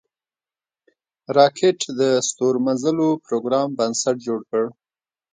راکټ د ستورمزلو پروګرام بنسټ جوړ کړ